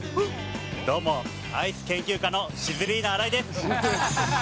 どうも、アイス研究家のシズリーナ荒井です。